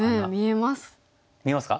見えますか？